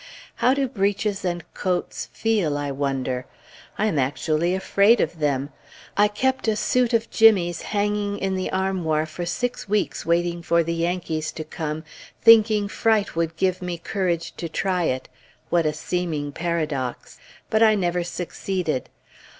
How do breeches and coats feel, I wonder? I am actually afraid of them. I kept a suit of Jimmy's hanging in the armoir for six weeks waiting for the Yankees to come, thinking fright would give me courage to try it (what a seeming paradox!), but I never succeeded.